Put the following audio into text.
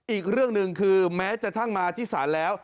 อีกเรื่องหนึ่งคือแม้กระทั่งมาที่ศาลแล้ว